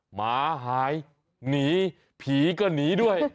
หมาหายหนีผีก็หนีด้วย